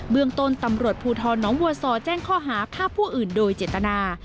เมืองต้นตำรวจภูทรน้องบัวซอแจ้งข้อหาฆ่าผู้อื่นโดยเจตนา